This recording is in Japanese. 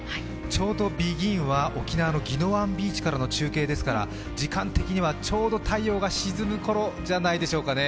ちょうどＢＥＧＩＮは、沖縄の宜野湾ビーチからの中継ですから時間的にはちょうど太陽が沈む頃じゃないでしょうかね。